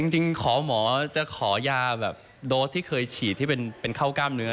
จริงข็าวของหมอจะขอยาโดซที่เคยฉีดที่เป็นข้าวกล้ามเนื้อ